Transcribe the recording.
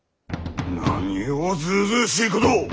何をずうずうしいことを！